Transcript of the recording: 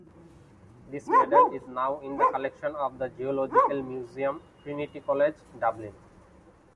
This medal is now in the collection of the Geological Museum, Trinity College, Dublin.